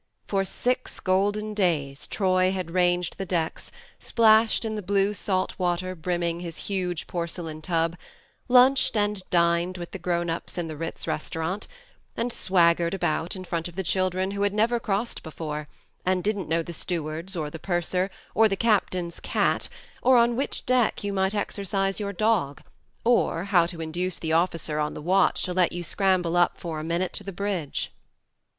For six golden days Troy had ranged the decks, splashed in the blue salt water brimming his huge porcelain tub, lunched and dined with the grown ups in the Ritz restaurant, and swaggered about in front of the children who had never crossed before, and didn't know the stewards, or the purser, or the captain's cat, or on which deck you might exercise your dog, or how to induce the officer on the watch to let you scramble up for a minute to the bridge.